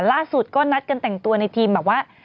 ล่าสุดก็นัดกันแต่งตัวในทีมแบบว่า